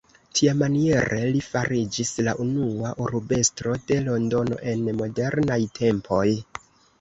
Tiamaniere li fariĝis la unua urbestro de Londono en modernaj tempoj.